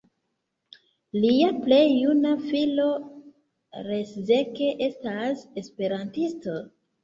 Lia plej juna filo Leszek estas esperantisto.